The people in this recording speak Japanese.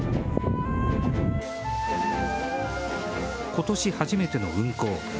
ことし初めての運行。